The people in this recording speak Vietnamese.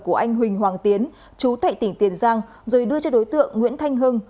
của anh huỳnh hoàng tiến chú tại tỉnh tiền giang rồi đưa cho đối tượng nguyễn thanh hưng